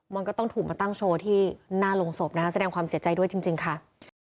มันก็ต้องถูกมาตั้งโชว์ที่หน้าโรงศพนะคะแสดงความเสียใจด้วยจริงค่ะ